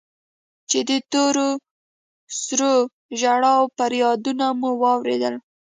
چې د تور سرو ژړا و فريادونه مو واورېدل.